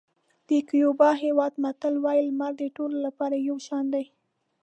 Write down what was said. د کیوبا هېواد متل وایي لمر د ټولو لپاره یو شان دی.